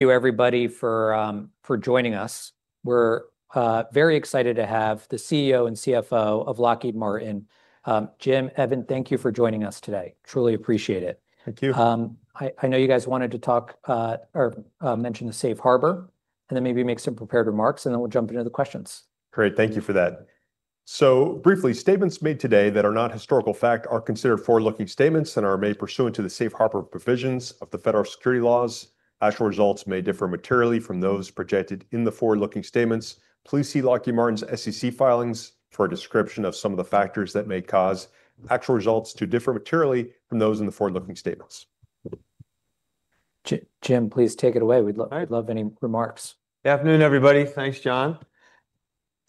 Thank you, everybody, for for joining us. We're very excited to have the CEO and CFO of Lockheed Martin. Jim, Evan, thank you for joining us today. Truly appreciate it. Thank you. I know you guys wanted to talk or mention the safe harbor, and then maybe make some prepared remarks, and then we'll jump into the questions. Great. Thank you for that. So briefly, statements made today that are not historical fact are considered forward-looking statements and are made pursuant to the safe harbor provisions of the federal securities laws. Actual results may differ materially from those projected in the forward-looking statements. Please see Lockheed Martin's SEC filings for a description of some of the factors that may cause actual results to differ materially from those in the forward-looking statements. Jim, please take it away. We'd love- All right. We'd love any remarks. Good afternoon, everybody. Thanks, John.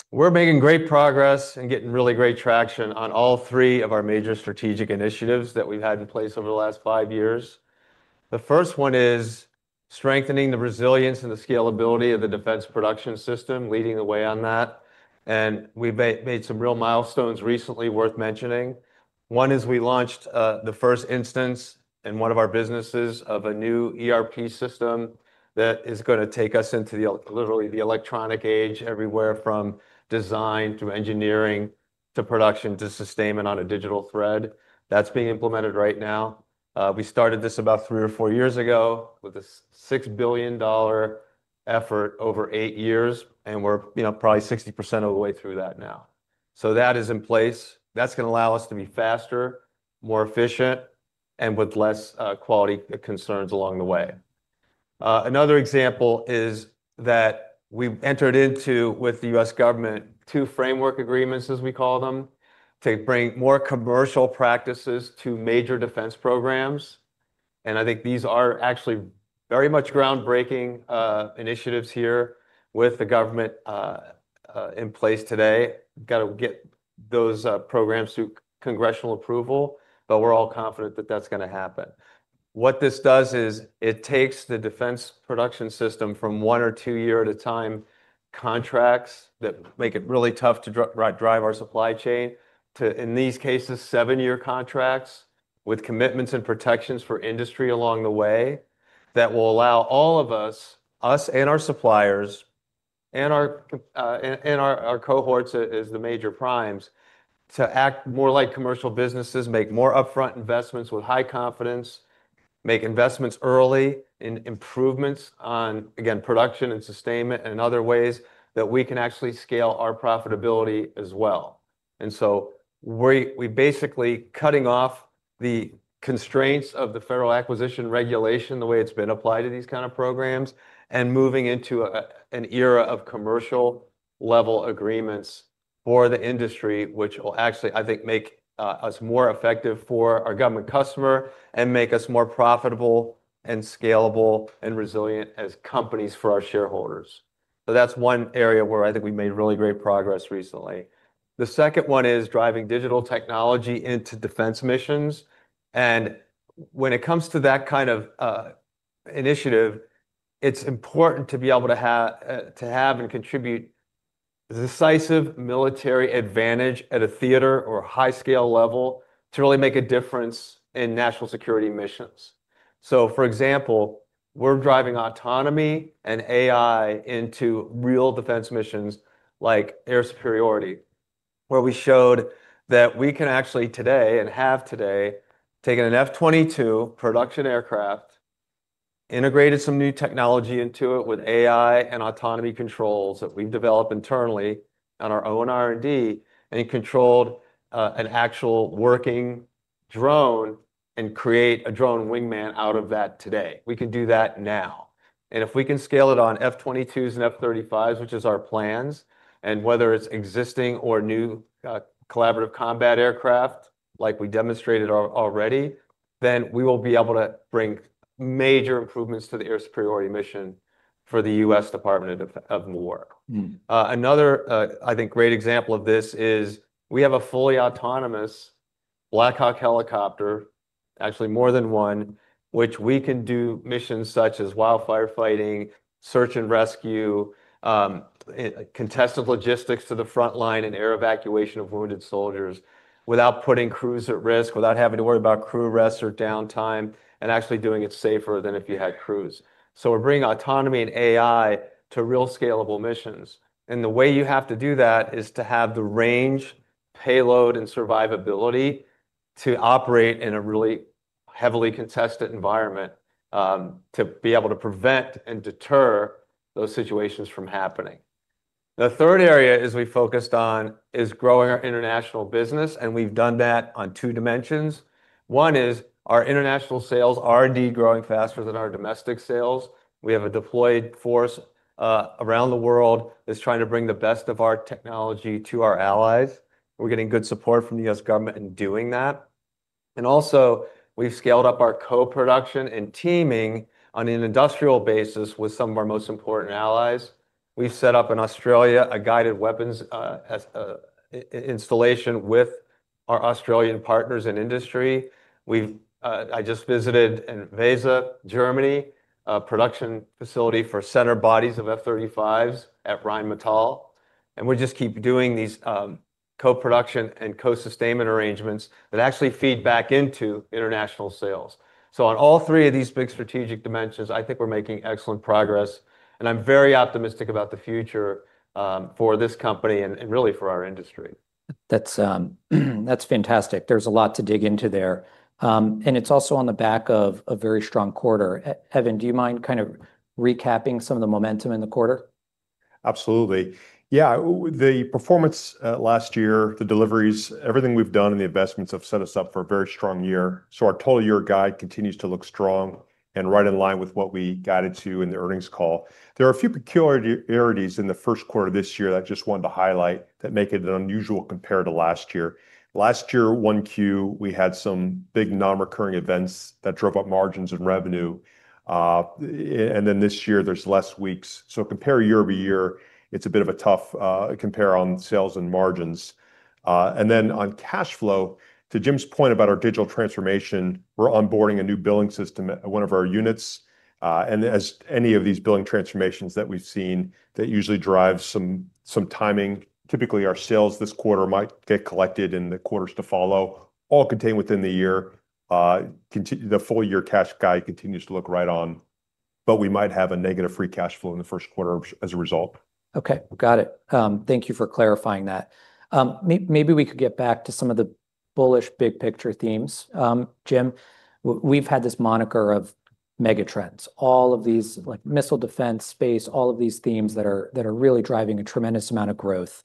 We're making great progress and getting really great traction on all three of our major strategic initiatives that we've had in place over the last 5 years. The first one is strengthening the resilience and the scalability of the defense production system, leading the way on that, and we've made some real milestones recently worth mentioning. One is we launched the first instance in one of our businesses of a new ERP system that is gonna take us into the, literally the electronic age, everywhere from design to engineering to production to sustainment on a digital thread. That's being implemented right now. We started this about 3 or 4 years ago with a $6 billion effort over 8 years, and we're, you know, probably 60% of the way through that now. So that is in place. That's gonna allow us to be faster, more efficient, and with less quality concerns along the way. Another example is that we've entered into, with the U.S. government, two framework agreements, as we call them, to bring more commercial practices to major defense programs. And I think these are actually very much groundbreaking initiatives here with the government in place today. Got to get those programs through congressional approval, but we're all confident that that's gonna happen. What this does is it takes the defense production system from one- or two-year at a time contracts that make it really tough to drive our supply chain, to, in these cases, seven-year contracts with commitments and protections for industry along the way, that will allow all of us and our suppliers and our cohorts as the major primes, to act more like commercial businesses, make more upfront investments with high confidence, make investments early in improvements on, again, production and sustainment and other ways that we can actually scale our profitability as well. And so we're basically cutting off the constraints of the Federal Acquisition Regulation, the way it's been applied to these kind of programs, and moving into a, an era of commercial level agreements for the industry, which will actually, I think, make us more effective for our government customer and make us more profitable and scalable and resilient as companies for our shareholders. So that's one area where I think we've made really great progress recently. The second one is driving digital technology into defense missions, and when it comes to that kind of initiative, it's important to be able to have to have and contribute decisive military advantage at a theater or high scale level to really make a difference in national security missions. So for example, we're driving autonomy and AI into real defense missions like air superiority, where we showed that we can actually today, and have today, taken an F-22 production aircraft, integrated some new technology into it with AI and autonomy controls that we've developed internally on our own R&D, and controlled an actual working drone and create a drone wingman out of that today. We can do that now, and if we can scale it on F-22s and F-35s, which is our plans, and whether it's existing or new collaborative combat aircraft, like we demonstrated already, then we will be able to bring major improvements to the air superiority mission for the U.S. Department of Defense. Mm. Another, I think, great example of this is we have a fully autonomous Black Hawk helicopter, actually more than one, which we can do missions such as wildfire fighting, search and rescue, contested logistics to the front line, and air evacuation of wounded soldiers without putting crews at risk, without having to worry about crew rest or downtime, and actually doing it safer than if you had crews. So we're bringing autonomy and AI to real scalable missions, and the way you have to do that is to have the range, payload, and survivability to operate in a really heavily contested environment, to be able to prevent and deter those situations from happening. The third area is we focused on is growing our international business, and we've done that on two dimensions. One is our international sales are indeed growing faster than our domestic sales. We have a deployed force around the world that's trying to bring the best of our technology to our allies. We're getting good support from the U.S. government in doing that. And also, we've scaled up our co-production and teaming on an industrial basis with some of our most important allies. We've set up in Australia a guided weapons installation with our Australian partners and industry. I just visited in Weeze, Germany, a production facility for center bodies of F-35s at Rheinmetall, and we just keep doing these co-production and co-sustainment arrangements that actually feed back into international sales. So on all three of these big strategic dimensions, I think we're making excellent progress, and I'm very optimistic about the future for this company and really for our industry. That's, that's fantastic. There's a lot to dig into there. And it's also on the back of a very strong quarter. Evan, do you mind kind of recapping some of the momentum in the quarter? Absolutely. Yeah, the performance last year, the deliveries, everything we've done, and the investments have set us up for a very strong year. So our total year guide continues to look strong and right in line with what we guided to in the earnings call. There are a few peculiarities in the first quarter this year that I just wanted to highlight that make it unusual compared to last year. Last year, 1Q, we had some big non-recurring events that drove up margins and revenue. And then this year there's less weeks. So compare year-over-year, it's a bit of a tough compare on sales and margins. And then on cash flow, to Jim's point about our digital transformation, we're onboarding a new billing system at one of our units. And as any of these billing transformations that we've seen, that usually drives some timing. Typically, our sales this quarter might get collected in the quarters to follow, all contained within the year. The full year cash guide continues to look right on, but we might have a negative free cash flow in the first quarter as a result. Okay, got it. Thank you for clarifying that. Maybe we could get back to some of the bullish, big picture themes. Jim, we've had this moniker of mega trends, all of these, like missile defense, space, all of these themes that are, that are really driving a tremendous amount of growth,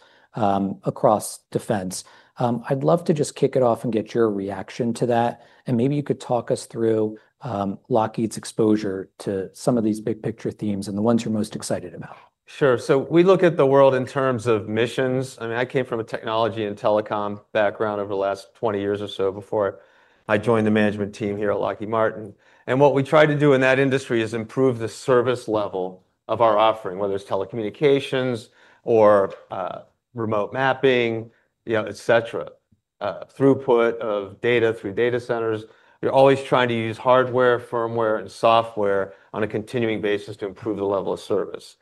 across defense. I'd love to just kick it off and get your reaction to that, and maybe you could talk us through, Lockheed's exposure to some of these big picture themes and the ones you're most excited about. Sure. So we look at the world in terms of missions. I mean, I came from a technology and telecom background over the last 20 years or so before I joined the management team here at Lockheed Martin. And what we try to do in that industry is improve the service level of our offering, whether it's telecommunications or remote mapping, you know, et cetera, throughput of data through data centers. You're always trying to use hardware, firmware, and software on a continuing basis to improve the level of service.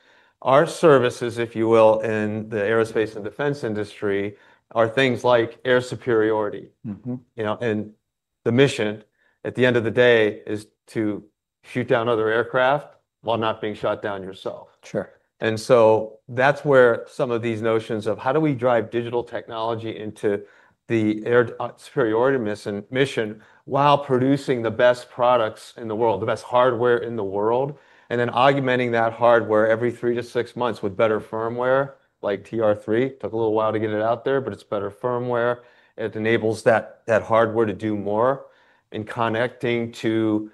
Our services, if you will, in the aerospace and defense industry, are things like air superiority. Mm-hmm. You know, the mission at the end of the day is to shoot down other aircraft while not being shot down yourself. Sure. And so that's where some of these notions of how do we drive digital technology into the air superiority mission, while producing the best products in the world, the best hardware in the world, and then augmenting that hardware every 3-6 months with better firmware, like TR-3. Took a little while to get it out there, but it's better firmware. It enables that hardware to do more in connecting to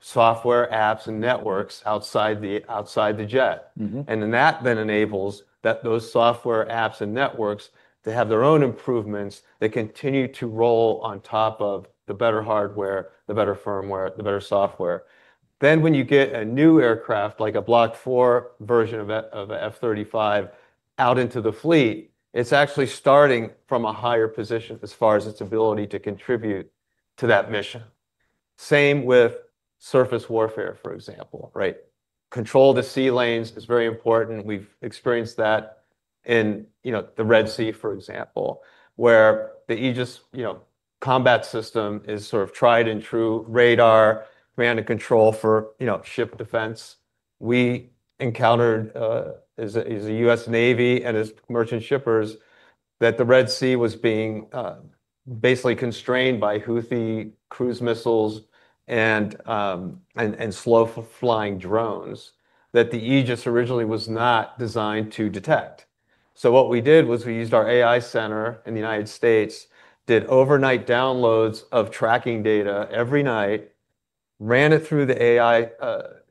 software, apps, and networks outside the jet. Mm-hmm. And then that enables those software, apps, and networks, they have their own improvements that continue to roll on top of the better hardware, the better firmware, the better software. Then, when you get a new aircraft, like a Block 4 version of an F-35 out into the fleet, it's actually starting from a higher position as far as its ability to contribute to that mission. Same with surface warfare, for example, right? Control of the sea lanes is very important. We've experienced that in, you know, the Red Sea, for example, where the Aegis Combat System is sort of tried and true radar, command and control for, you know, ship defense. We encountered, as a U.S. Navy and as merchant shippers, that the Red Sea was being basically constrained by Houthi cruise missiles and slow-flying drones that the Aegis originally was not designed to detect. So what we did was we used our AI center in the United States, did overnight downloads of tracking data every night, ran it through the AI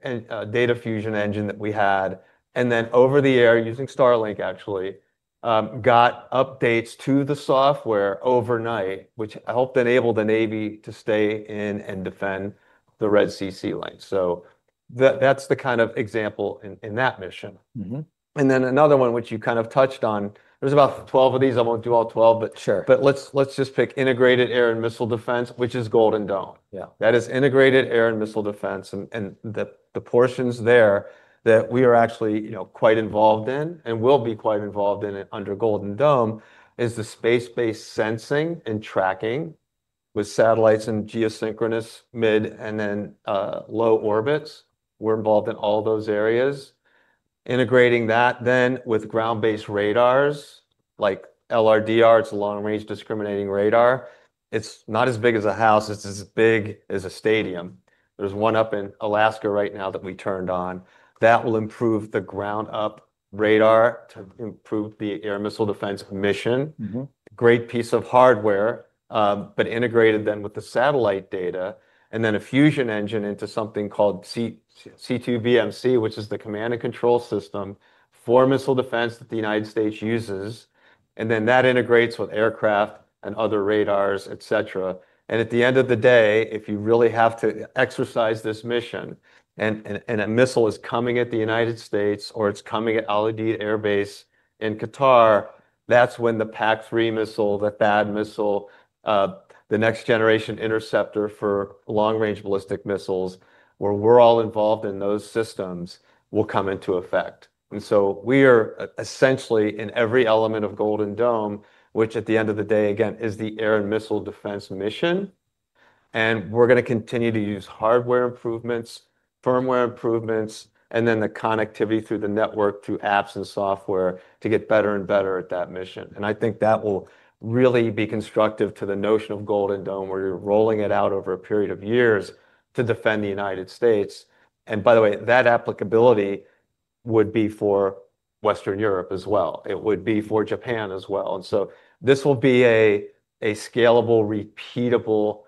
and data fusion engine that we had, and then over the air, using Starlink actually, got updates to the software overnight, which helped enable the Navy to stay in and defend the Red Sea sea lane. So that, that's the kind of example in that mission. Mm-hmm. And then another one, which you kind of touched on, there was about 12 of these. I won't do all 12, but- Sure. But let's just pick integrated air and missile defense, which is Golden Dome. Yeah. That is integrated air and missile defense. And the portions there that we are actually, you know, quite involved in and will be quite involved in it under Golden Dome, is the space-based sensing and tracking with satellites and geosynchronous mid and then low orbits. We're involved in all those areas. Integrating that then with ground-based radars, like LRDR, it's a Long Range Discrimination Radar. It's not as big as a house, it's as big as a stadium. There's one up in Alaska right now that we turned on. That will improve the ground-up radar to improve the air missile defense mission. Mm-hmm. Great piece of hardware, but integrated then with the satellite data, and then a fusion engine into something called C2BMC, which is the command and control system for missile defense that the United States uses, and then that integrates with aircraft and other radars, et cetera. And at the end of the day, if you really have to exercise this mission and, and, and a missile is coming at the United States or it's coming at Al Udeid Air Base in Qatar. That's when the PAC-3 missile, the THAAD missile, the Next Generation Interceptor for long-range ballistic missiles, where we're all involved in those systems, will come into effect. And so we are essentially in every element of Golden Dome, which at the end of the day, again, is the air and missile defense mission, and we're gonna continue to use hardware improvements, firmware improvements, and then the connectivity through the network, through apps and software, to get better and better at that mission. I think that will really be constructive to the notion of Golden Dome, where you're rolling it out over a period of years to defend the United States. And by the way, that applicability would be for Western Europe as well. It would be for Japan as well. This will be a scalable, repeatable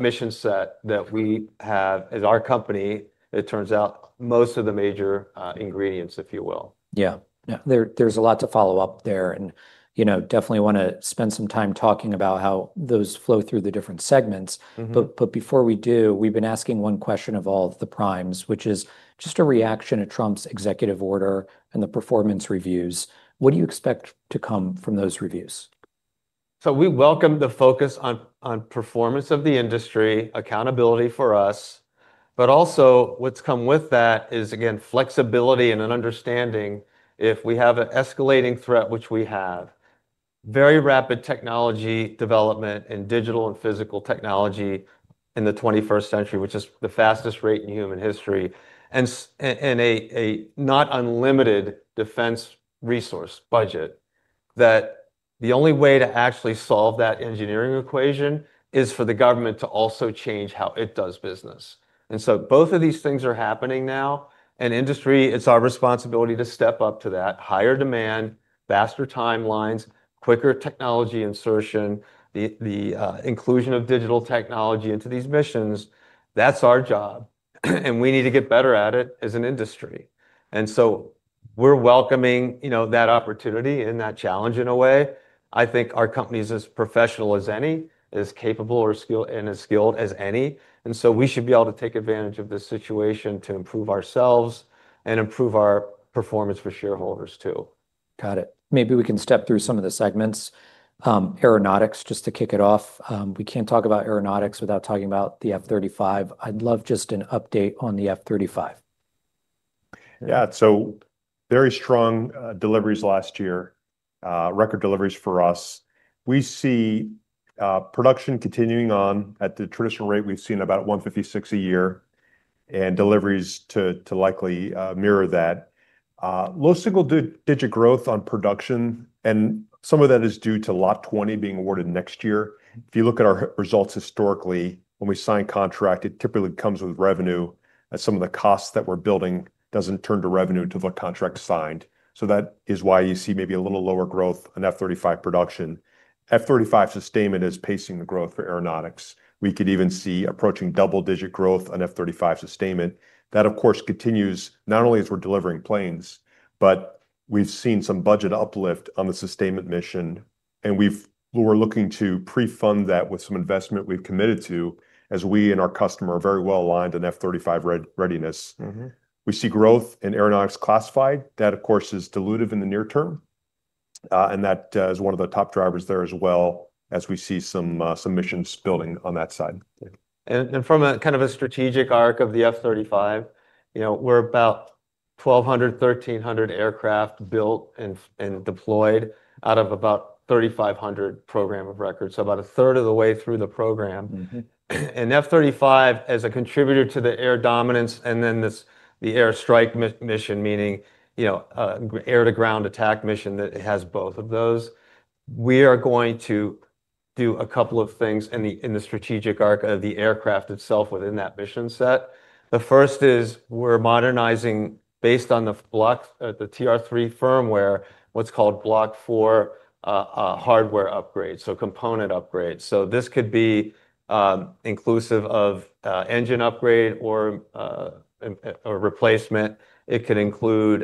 mission set that we have. As our company, it turns out, most of the major ingredients, if you will. Yeah. Yeah, there's a lot to follow up there, and, you know, definitely wanna spend some time talking about how those flow through the different segments. Mm-hmm. But before we do, we've been asking one question of all of the primes, which is just a reaction to Trump's executive order and the performance reviews. What do you expect to come from those reviews? So we welcome the focus on performance of the industry, accountability for us, but also what's come with that is, again, flexibility and an understanding, if we have an escalating threat, which we have, very rapid technology development in digital and physical technology in the 21st century, which is the fastest rate in human history, and a not unlimited defense resource budget, that the only way to actually solve that engineering equation is for the government to also change how it does business. And so both of these things are happening now, and industry, it's our responsibility to step up to that higher demand, faster timelines, quicker technology insertion, the inclusion of digital technology into these missions. That's our job, and we need to get better at it as an industry. And so we're welcoming, you know, that opportunity and that challenge in a way. I think our company's as professional as any, as capable and as skilled as any, and so we should be able to take advantage of this situation to improve ourselves and improve our performance for shareholders, too. Got it. Maybe we can step through some of the segments. Aeronautics, just to kick it off, we can't talk about aeronautics without talking about the F-35. I'd love just an update on the F-35. Yeah. So very strong deliveries last year, record deliveries for us. We see production continuing on at the traditional rate we've seen, about 156 a year, and deliveries to likely mirror that. Low single-digit growth on production, and some of that is due to Lot 20 being awarded next year. If you look at our results historically, when we sign contract, it typically comes with revenue, as some of the costs that we're building doesn't turn to revenue until the contract's signed. So that is why you see maybe a little lower growth on F-35 production. F-35 sustainment is pacing the growth for aeronautics. We could even see approaching double-digit growth on F-35 sustainment. That, of course, continues not only as we're delivering planes, but we've seen some budget uplift on the sustainment mission, and we're looking to pre-fund that with some investment we've committed to, as we and our customer are very well aligned on F-35 readiness. Mm-hmm. We see growth in aeronautics classified. That, of course, is dilutive in the near term, and that is one of the top drivers there as well, as we see some missions building on that side. From a kind of a strategic arc of the F-35, you know, we're about 1,200, 1,300 aircraft built and deployed out of about 3,500 program of record, so about a third of the way through the program. Mm-hmm. F-35, as a contributor to the air dominance, and then this, the air strike mission, meaning, you know, air-to-ground attack mission, that it has both of those. We are going to do a couple of things in the strategic arc of the aircraft itself within that mission set. The first is, we're modernizing, based on the Block, the TR-3 firmware, what's called Block 4, hardware upgrade, so component upgrade. So this could be, inclusive of, engine upgrade or, or replacement. It could include,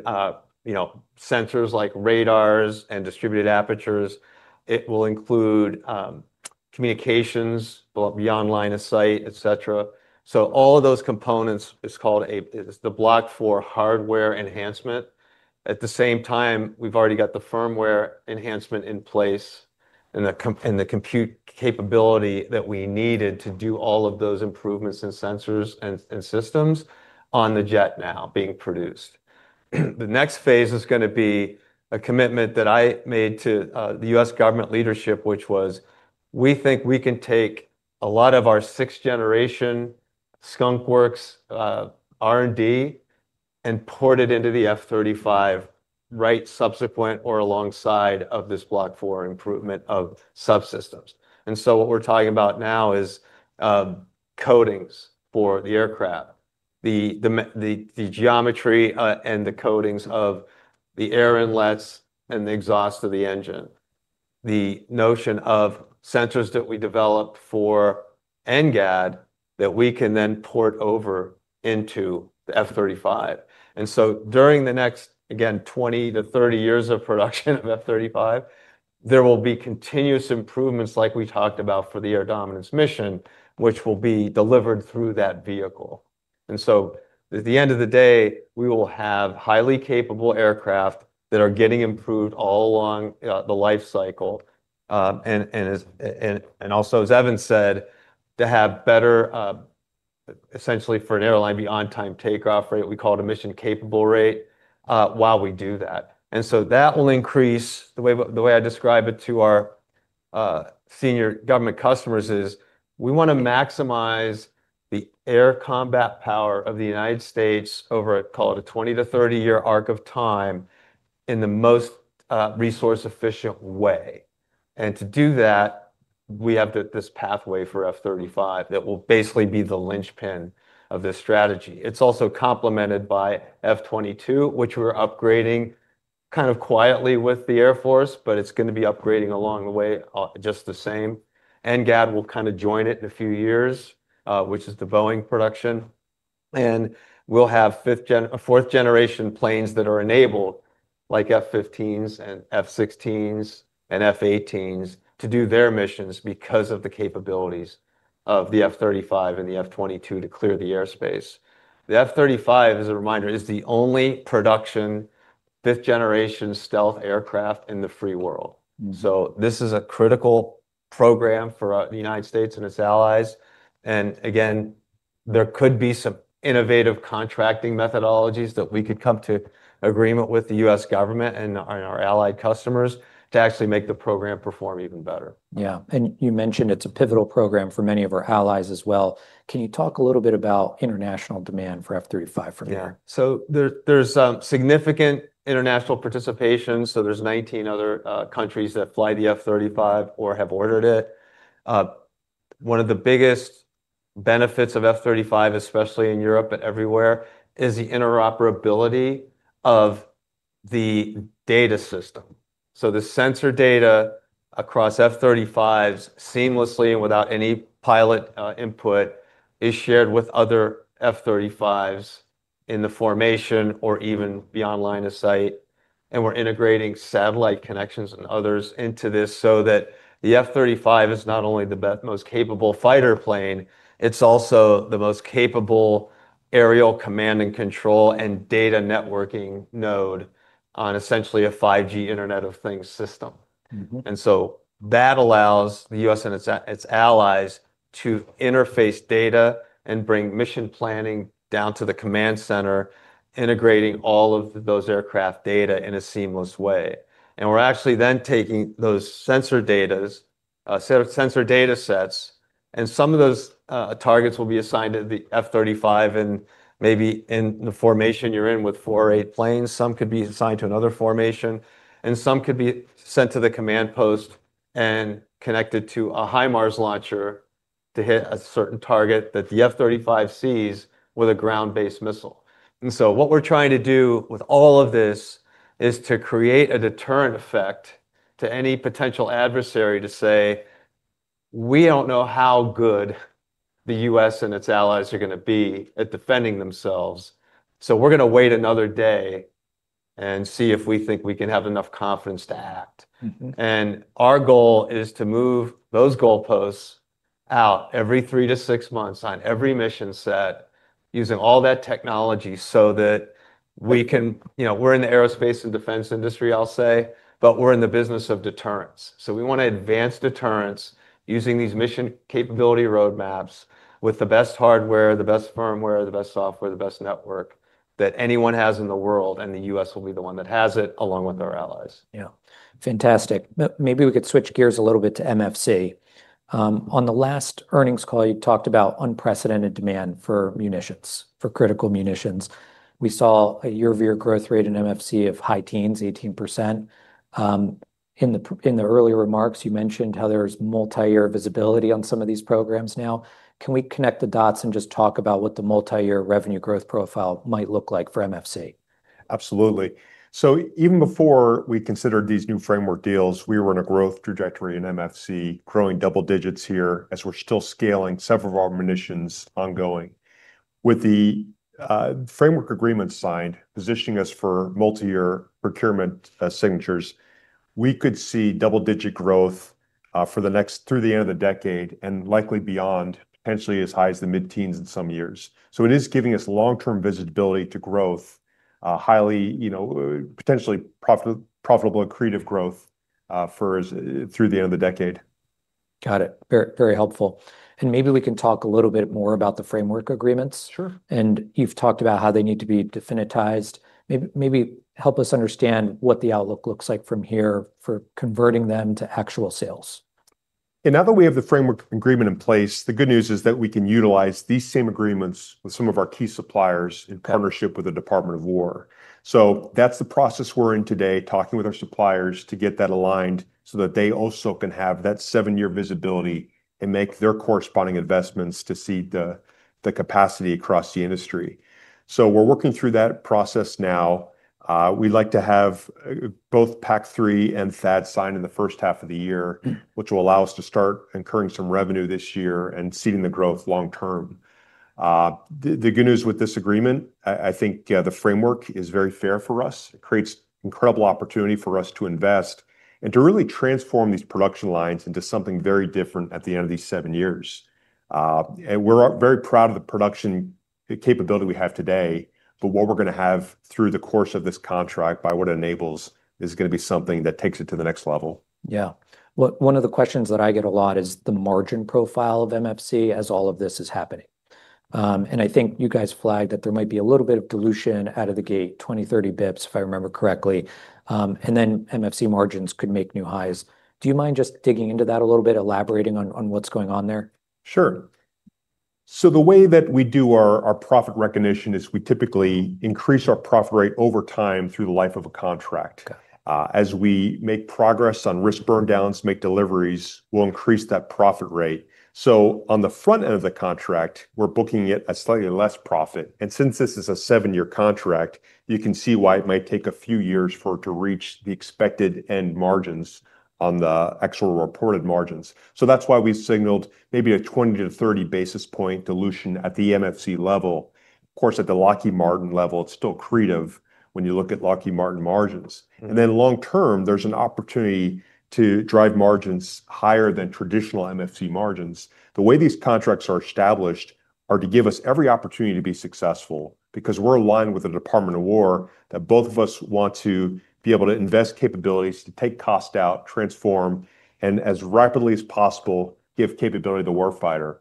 you know, sensors like radars and distributed apertures. It will include, communications, beyond line of sight, et cetera. So all of those components is called, it's the Block 4 hardware enhancement. At the same time, we've already got the firmware enhancement in place and the compute capability that we needed to do all of those improvements in sensors and systems on the jet now being produced. The next phase is gonna be a commitment that I made to the U.S. government leadership, which was: we think we can take a lot of our sixth-generation Skunk Works R&D, and port it into the F-35, right, subsequent or alongside of this Block 4 improvement of subsystems. And so what we're talking about now is coatings for the aircraft, the geometry, and the coatings of the air inlets and the exhaust of the engine. The notion of sensors that we developed for NGAD, that we can then port over into the F-35. During the next, again, 20-30 years of production of F-35, there will be continuous improvements, like we talked about for the air dominance mission, which will be delivered through that vehicle. At the end of the day, we will have highly capable aircraft that are getting improved all along the life cycle. And, as Evan said, to have better, essentially for an airline, be on-time takeoff rate, we call it a mission capable rate, while we do that. That will increase. The way I describe it to our senior government customers is, we wanna maximize the air combat power of the United States over, call it, a 20-30-year arc of time in the most resource-efficient way. To do that, we have this pathway for F-35 that will basically be the linchpin of this strategy. It's also complemented by F-22, which we're upgrading kind of quietly with the Air Force, but it's gonna be upgrading along the way, just the same. NGAD will kind of join it in a few years, which is the Boeing production. We'll have fifth gen fourth-generation planes that are enabled, like F-15s, and F-16s, and F-18s, to do their missions because of the capabilities of the F-35 and the F-22 to clear the airspace. The F-35, as a reminder, is the only production fifth-generation stealth aircraft in the free world. Mm. This is a critical program for the United States and its allies. And again, there could be some innovative contracting methodologies that we could come to agreement with the U.S. government and our allied customers to actually make the program perform even better. Yeah, and you mentioned it's a pivotal program for many of our allies as well. Can you talk a little bit about international demand for F-35 from here? Yeah. So there's significant international participation, so there's 19 other countries that fly the F-35 or have ordered it. One of the biggest benefits of F-35, especially in Europe and everywhere, is the interoperability of the data system. So the sensor data across F-35s, seamlessly and without any pilot input, is shared with other F-35s in the formation or even beyond line of sight, and we're integrating satellite connections and others into this so that the F-35 is not only the most capable fighter plane, it's also the most capable aerial command, and control, and data networking node on essentially a 5G Internet of Things system. Mm-hmm. And so that allows the U.S. and its allies to interface data and bring mission planning down to the command center, integrating all of those aircraft data in a seamless way. And we're actually then taking those sensor data, set of sensor data sets, and some of those targets will be assigned to the F-35, and maybe in the formation you're in with four or eight planes, some could be assigned to another formation, and some could be sent to the command post and connected to a HIMARS launcher to hit a certain target that the F-35 sees with a ground-based missile. And so what we're trying to do with all of this is to create a deterrent effect to any potential adversary to say, "We don't know how good the U.S. and its allies are gonna be at defending themselves, so we're gonna wait another day and see if we think we can have enough confidence to act. Mm-hmm. Our goal is to move those goalposts out every 3-6 months on every mission set, using all that technology, so that we can... You know, we're in the aerospace and defense industry, I'll say, but we're in the business of deterrence. So we want to advance deterrence using these mission capability roadmaps with the best hardware, the best firmware, the best software, the best network that anyone has in the world, and the U.S. will be the one that has it, along with our allies. Yeah. Fantastic. Maybe we could switch gears a little bit to MFC. On the last earnings call, you talked about unprecedented demand for munitions, for critical munitions. We saw a year-over-year growth rate in MFC of high teens, 18%. In the earlier remarks, you mentioned how there's multiyear visibility on some of these programs now. Can we connect the dots and just talk about what the multiyear revenue growth profile might look like for MFC? Absolutely. So even before we considered these new framework deals, we were in a growth trajectory in MFC, growing double digits here, as we're still scaling several of our munitions ongoing. With the framework agreement signed, positioning us for multiyear procurement signatures, we could see double-digit growth for the next through the end of the decade and likely beyond, potentially as high as the mid-teens in some years. So it is giving us long-term visibility to growth, highly, you know, potentially profitable accretive growth for us through the end of the decade. Got it. Very, very helpful. Maybe we can talk a little bit more about the Framework Agreements. Sure. You've talked about how they need to be definitized. Maybe, maybe help us understand what the outlook looks like from here for converting them to actual sales. Now that we have the Framework Agreement in place, the good news is that we can utilize these same agreements with some of our key suppliers- Okay... in partnership with the Department of War. So that's the process we're in today, talking with our suppliers to get that aligned, so that they also can have that seven-year visibility and make their corresponding investments to see the capacity across the industry. So we're working through that process now. We'd like to have both PAC-3 and THAAD signed in the first half of the year- Mm... which will allow us to start incurring some revenue this year and seeding the growth long term. The good news with this agreement, I think, the framework is very fair for us. It creates incredible opportunity for us to invest and to really transform these production lines into something very different at the end of these seven years.... and we're very proud of the production capability we have today, but what we're gonna have through the course of this contract, by what it enables, is gonna be something that takes it to the next level. Yeah. Well, one of the questions that I get a lot is the margin profile of MFC as all of this is happening. And I think you guys flagged that there might be a little bit of dilution out of the gate, 20-30 basis points, if I remember correctly, and then MFC margins could make new highs. Do you mind just digging into that a little bit, elaborating on what's going on there? Sure. So the way that we do our profit recognition is we typically increase our profit rate over time through the life of a contract. Okay. As we make progress on risk burn downs, make deliveries, we'll increase that profit rate. So on the front end of the contract, we're booking it at slightly less profit, and since this is a seven-year contract, you can see why it might take a few years for it to reach the expected end margins on the actual reported margins. So that's why we signaled maybe a 20-30 basis point dilution at the MFC level. Of course, at the Lockheed Martin level, it's still accretive when you look at Lockheed Martin margins. Mm. And then long term, there's an opportunity to drive margins higher than traditional MFC margins. The way these contracts are established are to give us every opportunity to be successful, because we're aligned with the Department of War, that both of us want to be able to invest capabilities, to take cost out, transform, and as rapidly as possible, give capability to the war fighter.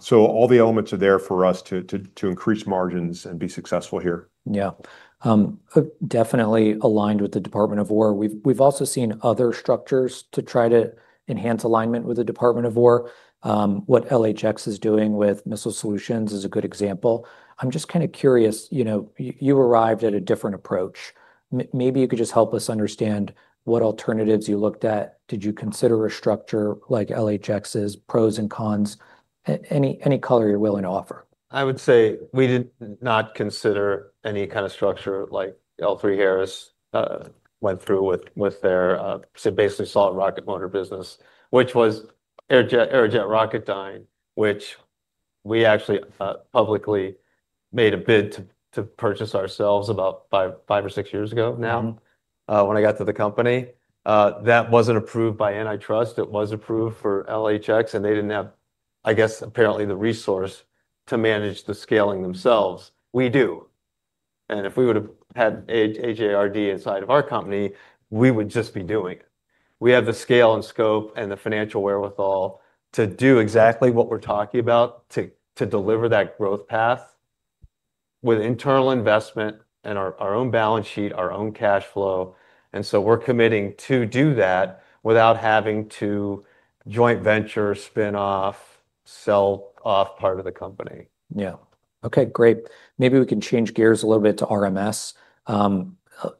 So all the elements are there for us to increase margins and be successful here. Yeah. Definitely aligned with the Department of Defense. We've also seen other structures to try to enhance alignment with the Department of Defense. What LHX is doing with missile solutions is a good example. I'm just kind of curious, you know, you arrived at a different approach. Maybe you could just help us understand what alternatives you looked at. Did you consider a structure like LHX's pros and cons? Any color you're willing to offer. I would say we did not consider any kind of structure like L3Harris went through with, with their, they basically sold rocket motor business, which was Aerojet, Aerojet Rocketdyne, which we actually publicly made a bid to, to purchase ourselves about 5, 5 or 6 years ago now- Mm... when I got to the company. That wasn't approved by antitrust. It was approved for LHX, and they didn't have, I guess, apparently, the resource to manage the scaling themselves. We do, and if we would've had AJRD inside of our company, we would just be doing it. We have the scale and scope and the financial wherewithal to do exactly what we're talking about, to deliver that growth path with internal investment and our own balance sheet, our own cash flow, and so we're committing to do that without having to joint venture, spin-off, sell off part of the company. Yeah. Okay, great. Maybe we can change gears a little bit to RMS.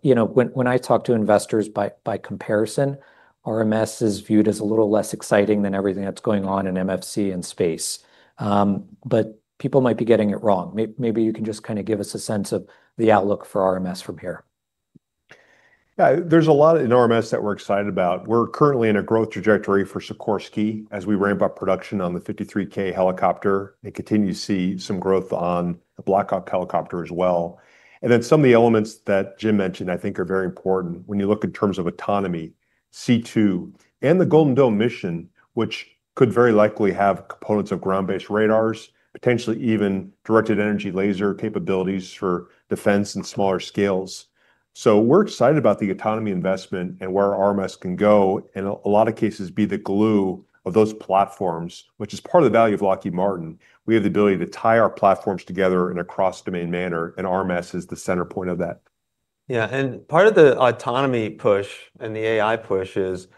You know, when I talk to investors by comparison, RMS is viewed as a little less exciting than everything that's going on in MFC and space. But people might be getting it wrong. Maybe you can just kind of give us a sense of the outlook for RMS from here. Yeah, there's a lot in RMS that we're excited about. We're currently in a growth trajectory for Sikorsky as we ramp up production on the CH-53K helicopter and continue to see some growth on the Black Hawk helicopter as well. And then, some of the elements that Jim mentioned, I think are very important when you look in terms of autonomy, C2, and the Golden Dome mission, which could very likely have components of ground-based radars, potentially even directed energy laser capabilities for defense in smaller scales. So we're excited about the autonomy investment and where RMS can go, in a lot of cases, be the glue of those platforms, which is part of the value of Lockheed Martin. We have the ability to tie our platforms together in a cross-domain manner, and RMS is the center point of that. Yeah, and part of the autonomy push and the AI push is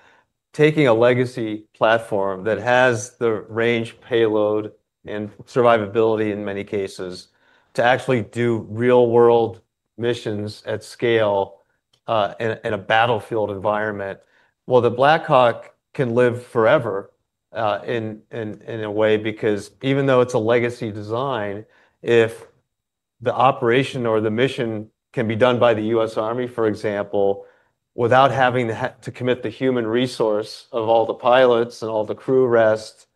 taking a legacy platform that has the range, payload, and survivability in many cases, to actually do real-world missions at scale, in a battlefield environment. Well, the Black Hawk can live forever, in a way, because even though it's a legacy design, if the operation or the mission can be done by the US Army, for example, without having to to commit the human resource of all the pilots and all the crew rest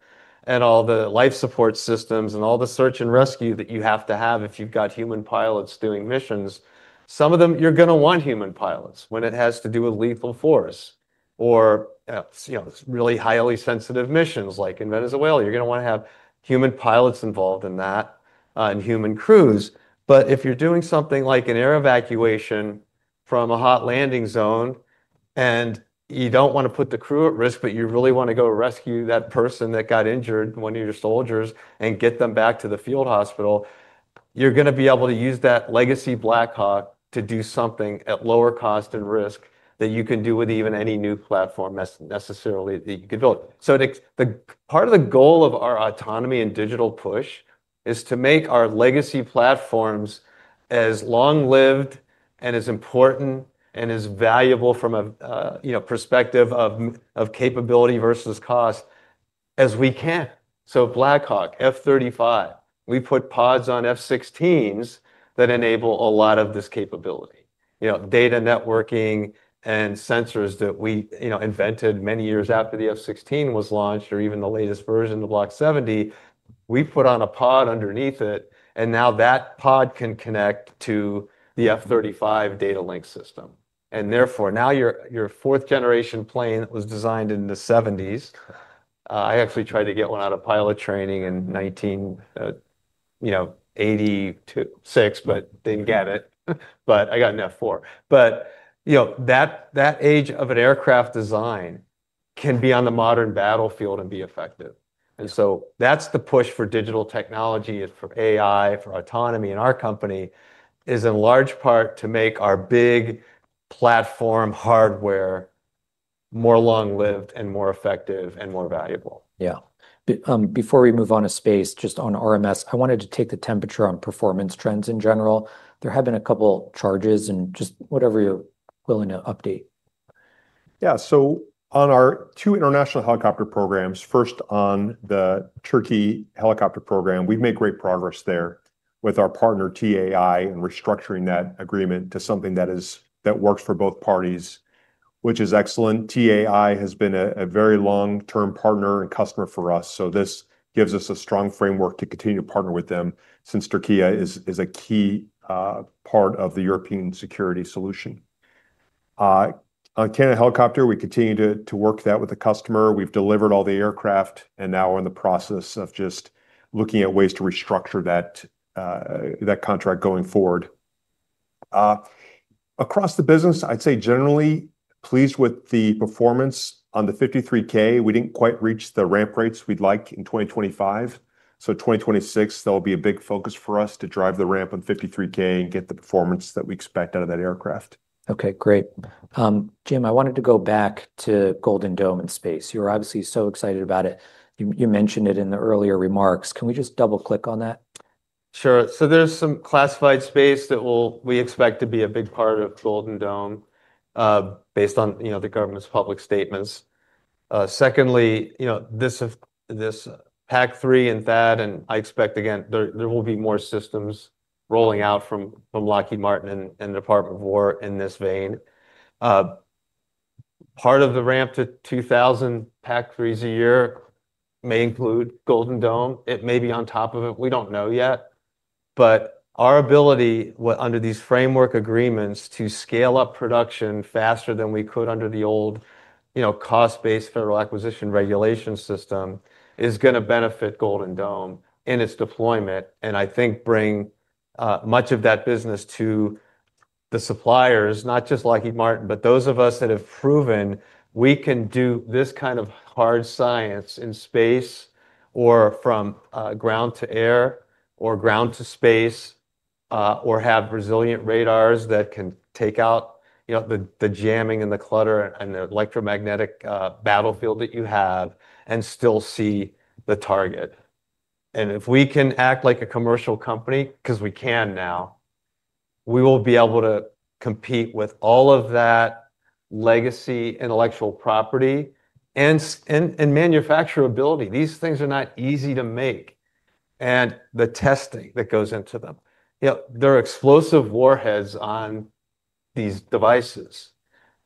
and all the life support systems and all the search and rescue that you have to have if you've got human pilots doing missions, some of them, you're gonna want human pilots when it has to do with lethal force or, you know, really highly sensitive missions, like in Venezuela. You're gonna want to have human pilots involved in that, and human crews. But if you're doing something like an air evacuation from a hot landing zone, and you don't want to put the crew at risk, but you really want to go rescue that person that got injured, one of your soldiers, and get them back to the field hospital, you're gonna be able to use that legacy Black Hawk to do something at lower cost and risk that you can do with even any new platform necessarily that you could build. So the part of the goal of our autonomy and digital push is to make our legacy platforms as long-lived and as important and as valuable from a, you know, perspective of capability versus cost as we can. So Black Hawk, F-35, we put pods on F-16s that enable a lot of this capability. You know, data networking and sensors that we, you know, invented many years after the F-16 was launched, or even the latest version, the Block 70. We've put on a pod underneath it, and now that pod can connect to the F-35 data link system. And therefore, now your, your fourth-generation plane that was designed in the 1970s, I actually tried to get one out of pilot training in 1986, but didn't get it. But I got an F-4. But, you know, that, that age of an aircraft design can be on the modern battlefield and be effective. And so that's the push for digital technology and for AI, for autonomy in our company, is in large part to make our big platform hardware more long-lived and more effective and more valuable. Yeah. Before we move on to space, just on RMS, I wanted to take the temperature on performance trends in general. There have been a couple charges and just whatever you're willing to update. Yeah. So on our two international helicopter programs, first, on the Turkey helicopter program, we've made great progress there with our partner TAI, and restructuring that agreement to something that is—that works for both parties, which is excellent. TAI has been a very long-term partner and customer for us, so this gives us a strong framework to continue to partner with them since Turkey is a key part of the European security solution. On Canada Helicopter, we continue to work that with the customer. We've delivered all the aircraft and now are in the process of just looking at ways to restructure that contract going forward. Across the business, I'd say generally pleased with the performance on the 53K. We didn't quite reach the ramp rates we'd like in 2025, so 2026, that will be a big focus for us to drive the ramp on 53K and get the performance that we expect out of that aircraft. Okay, great. Jim, I wanted to go back to Golden Dome and space. You're obviously so excited about it. You mentioned it in the earlier remarks. Can we just double-click on that? Sure. So there's some classified space that will—we expect to be a big part of Golden Dome, based on, you know, the government's public statements. Secondly, you know, this, this PAC-3 and THAAD, and I expect again, there, there will be more systems rolling out from, from Lockheed Martin and, and the Department of War in this vein. Part of the ramp to 2,000 PAC-3s a year may include Golden Dome. It may be on top of it. We don't know yet. But our ability with under these framework agreements, to scale up production faster than we could under the old, you know, cost-based Federal Acquisition Regulation System, is gonna benefit Golden Dome in its deployment, and I think bring much of that business to the suppliers, not just Lockheed Martin, but those of us that have proven we can do this kind of hard science in space or from ground to air, or ground to space, or have resilient radars that can take out, you know, the jamming and the clutter and the electromagnetic battlefield that you have, and still see the target. And if we can act like a commercial company, 'cause we can now, we will be able to compete with all of that legacy, intellectual property, and manufacturability. These things are not easy to make, and the testing that goes into them. You know, there are explosive warheads on these devices,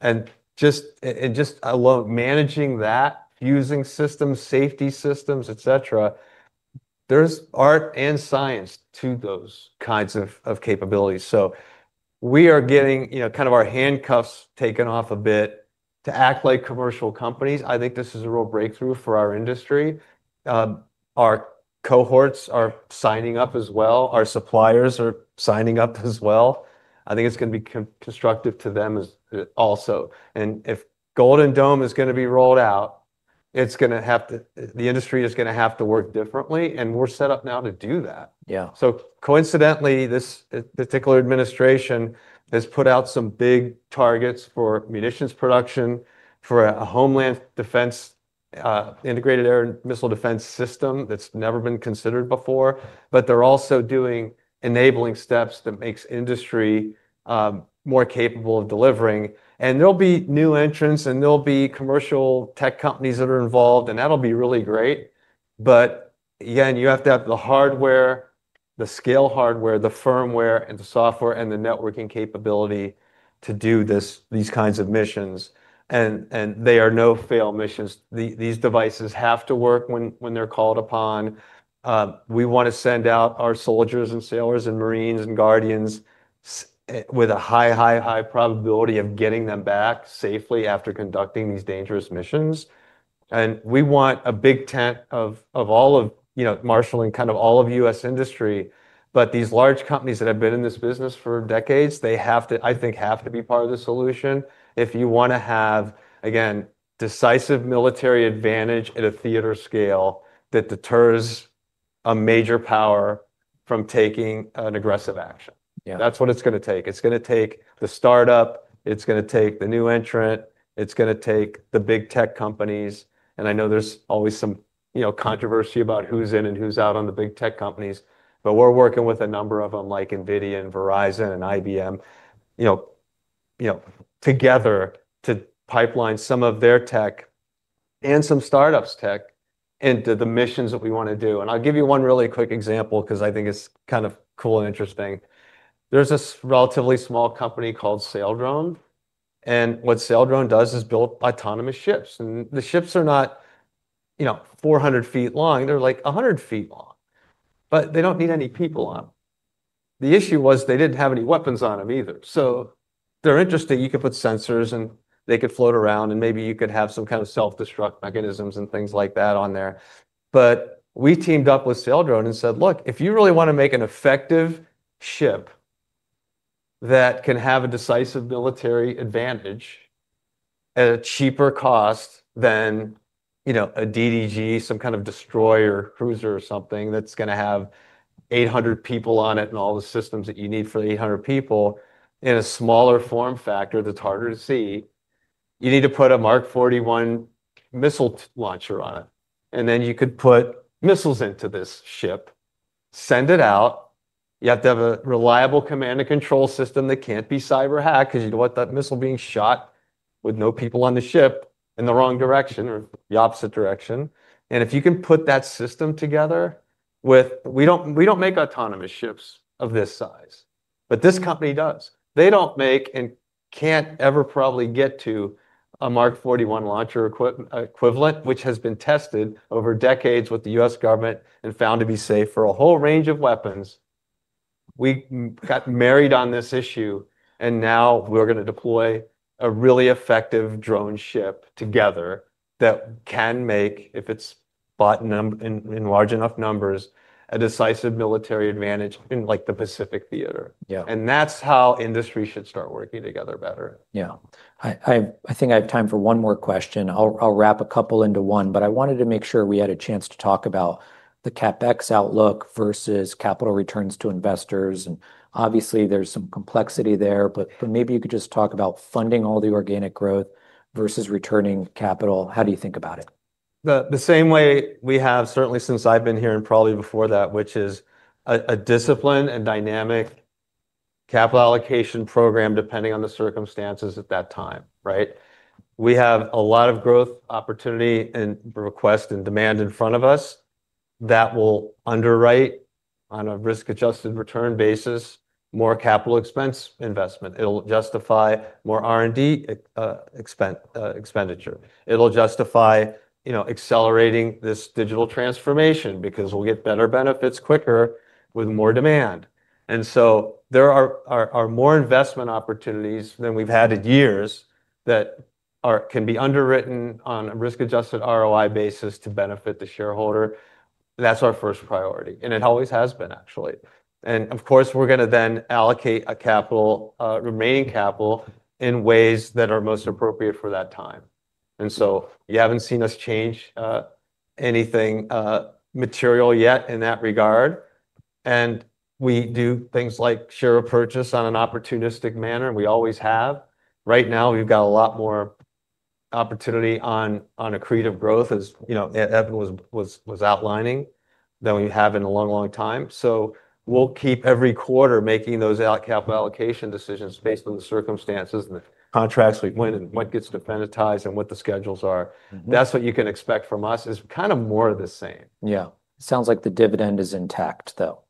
and just and just alone managing that, using systems, safety systems, et cetera, there's art and science to those kinds of capabilities. So we are getting, you know, kind of our handcuffs taken off a bit to act like commercial companies. I think this is a real breakthrough for our industry. Our cohorts are signing up as well. Our suppliers are signing up as well. I think it's gonna be constructive to them as also. And if Golden Dome is gonna be rolled out, it's gonna have to—the industry is gonna have to work differently, and we're set up now to do that. Yeah. So coincidentally, this particular administration has put out some big targets for munitions production, for a homeland defense, integrated air and missile defense system that's never been considered before, but they're also doing enabling steps that makes industry more capable of delivering. And there'll be new entrants, and there'll be commercial tech companies that are involved, and that'll be really great. But again, you have to have the hardware, the scale hardware, the firmware and the software, and the networking capability to do these kinds of missions. And they are no-fail missions. These devices have to work when they're called upon. We wanna send out our soldiers and sailors and marines and guardians with a high, high, high probability of getting them back safely after conducting these dangerous missions. We want a big tent of, of all of, you know, marshaling kind of all of U.S. industry. But these large companies that have been in this business for decades, they have to, I think, have to be part of the solution if you wanna have, again, decisive military advantage at a theater scale that deters a major power from taking an aggressive action. Yeah. That's what it's gonna take. It's gonna take the start-up, it's gonna take the new entrant, it's gonna take the big tech companies, and I know there's always some, you know, controversy about who's in and who's out on the big tech companies, but we're working with a number of them, like NVIDIA and Verizon and IBM, you know, you know, together, to pipeline some of their tech and some start-ups' tech into the missions that we wanna do. And I'll give you one really quick example 'cause I think it's kind of cool and interesting. There's this relatively small company called Saildrone... and what Saildrone does is build autonomous ships. And the ships are not, you know, 400 feet long, they're like 100 feet long, but they don't need any people on them. The issue was they didn't have any weapons on them either. So they're interesting. You could put sensors, and they could float around, and maybe you could have some kind of self-destruct mechanisms and things like that on there. But we teamed up with Saildrone and said, "Look, if you really want to make an effective ship that can have a decisive military advantage at a cheaper cost than, you know, a DDG, some kind of destroyer or cruiser or something that's going to have 800 people on it, and all the systems that you need for 800 people in a smaller form factor that's harder to see, you need to put a Mark 41 missile launcher on it." And then you could put missiles into this ship, send it out. You have to have a reliable command and control system that can't be cyber-hacked, because you don't want that missile being shot with no people on the ship in the wrong direction or the opposite direction. And if you can put that system together with, we don't, we don't make autonomous ships of this size, but this company does. They don't make and can't ever probably get to a Mark 41 launcher equivalent, which has been tested over decades with the U.S. government and found to be safe for a whole range of weapons. We got married on this issue, and now we're going to deploy a really effective drone ship together that can make, if it's bought in large enough numbers, a decisive military advantage in, like, the Pacific Theater. Yeah. That's how industry should start working together better. Yeah. I think I have time for one more question. I'll wrap a couple into one, but I wanted to make sure we had a chance to talk about the CapEx outlook versus capital returns to investors. And obviously, there's some complexity there, but maybe you could just talk about funding all the organic growth versus returning capital. How do you think about it? The same way we have, certainly since I've been here and probably before that, which is a discipline and dynamic capital allocation program, depending on the circumstances at that time, right? We have a lot of growth, opportunity, and request and demand in front of us that will underwrite on a risk-adjusted return basis, more capital expense investment. It'll justify more R&D expenditure. It'll justify, you know, accelerating this digital transformation because we'll get better benefits quicker with more demand. And so there are more investment opportunities than we've had in years that can be underwritten on a risk-adjusted ROI basis to benefit the shareholder. That's our first priority, and it always has been, actually. And of course, we're going to then allocate remaining capital in ways that are most appropriate for that time. So you haven't seen us change anything material yet in that regard. And we do things like share a purchase on an opportunistic manner, and we always have. Right now, we've got a lot more opportunity on accretive growth, as you know, Evan was outlining, than we have in a long, long time. So we'll keep every quarter making those capital allocation decisions based on the circumstances and the contracts we win, and what gets definitized and what the schedules are. Mm-hmm. That's what you can expect from us, is kind of more of the same. Yeah. Sounds like the dividend is intact, though.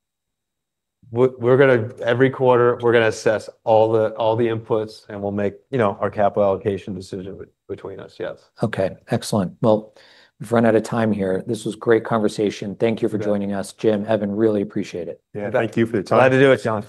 We're going to, every quarter, we're going to assess all the, all the inputs, and we'll make, you know, our capital allocation decision between us, yes. Okay, excellent. Well, we've run out of time here. This was great conversation. Yeah. Thank you for joining us, Jim, Evan, really appreciate it. Yeah, thank you for the time. Glad to do it, John.